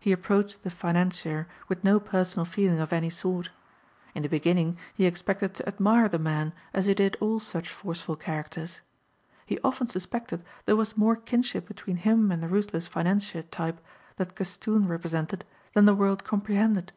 He approached the financier with no personal feeling of any sort. In the beginning he expected to admire the man as he did all such forceful characters. He often suspected there was more kinship between him and the ruthless financier type that Castoon represented than the world comprehended.